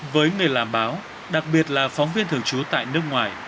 với người làm báo đặc biệt là phóng viên thường trú tại nước ngoài